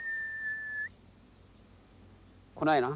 来ないな。